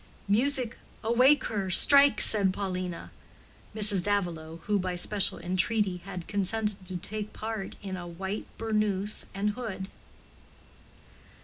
"Music, awake her, strike!" said Paulina (Mrs. Davilow, who, by special entreaty, had consented to take the part in a white burnous and hood).